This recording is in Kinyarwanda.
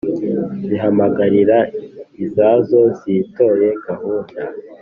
Zihamagara izazo, Zitoye gahunda,